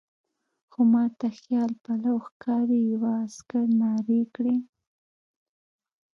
خو ما ته خیال پلو ښکاري، یوه عسکر نارې کړې.